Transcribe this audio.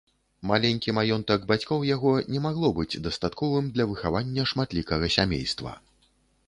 Маленькі маёнтак бацькоў яго не магло быць дастатковым для выхавання шматлікага сямейства.